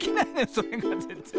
それがぜんぜん。